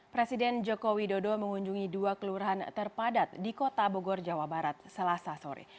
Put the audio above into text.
presiden joko widodo mengunjungi dua kelurahan terpadat di kota bogor jawa barat selasa sore